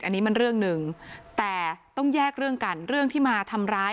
อันนี้มันเรื่องหนึ่งแต่ต้องแยกเรื่องกันเรื่องที่มาทำร้าย